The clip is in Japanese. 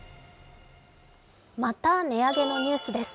また値上げのニュースです。